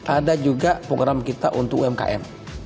ada juga program kita untuk umkm